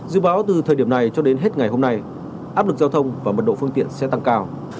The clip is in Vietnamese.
dự báo từ thời điểm này cho đến hết ngày hôm nay áp lực giao thông và mật độ phương tiện sẽ tăng cao